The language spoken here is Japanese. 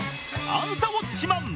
『アンタウォッチマン！』